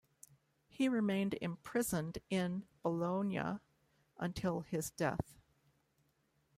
He remained imprisoned in Bologna until his death.